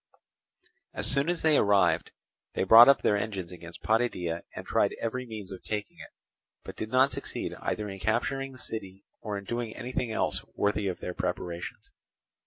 As soon as they arrived, they brought up their engines against Potidæa and tried every means of taking it, but did not succeed either in capturing the city or in doing anything else worthy of their preparations.